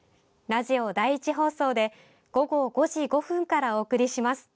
ラジオ第１放送で午後５時５分からお送りします。